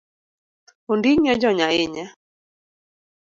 Ondingi ojony ahinya?